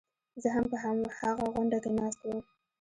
زه هم په هغه غونډه کې ناست وم.